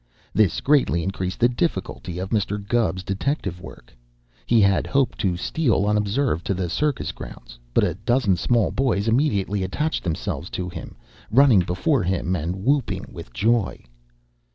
This greatly increased the difficulty of Mr. Gubb's detective work. He had hoped to steal unobserved to the circus grounds, but a dozen small boys immediately attached themselves to him, running before him and whooping with joy.